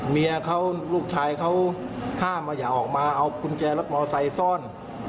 เมียเขาลูกชายเขาห้ามว่าอย่าออกมาเอากุญแจรถมอไซค์ซ่อน